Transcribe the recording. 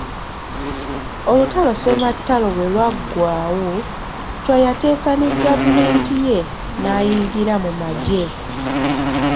Olutalo Ssematalo bwe lwagwawo, Chwa yateesa ne Gavumenti ye, n'ayingira mu magye.